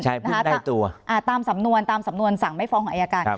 ใครพึ่งได้ตัวตามสำนวนสั่งไม่ฟ้องของไออาการ